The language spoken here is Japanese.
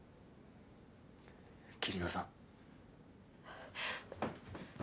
桐野さん。